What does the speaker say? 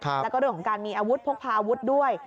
แล้วก็เรื่องของการมีอาวุธพกพาอาวุธด้วย